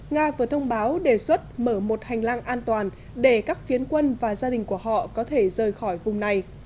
nga vừa thông báo đề xuất mở một hành lang an toàn để các phiến quân và gia đình của họ có thể rời khỏi vùng này